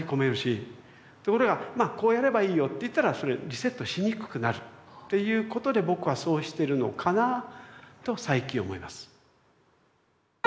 ところが「まあこうやればいいよ」って言ったらリセットしにくくなるっていうことで僕はそうしてるのかなぁと最近思います。